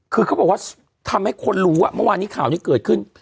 คือเขาบอกว่าทำให้คนรู้ว่าเมื่อวานนี้ข่าวนี้เกิดขึ้น